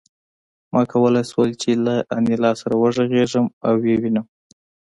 ما کولای شول چې له انیلا سره وغږېږم او ویې وینم